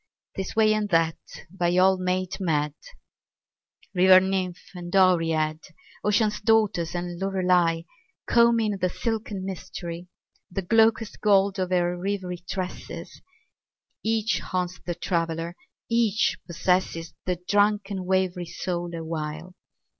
This way and that, by all made mad : 29 Mole River nymph and Oread, Ocean's daughters and Lorelei Combing the silken mystery, The glaucous gold of her rivery tresses. .. Each haunts the traveller, each possesses The drunken wavering soul awhile.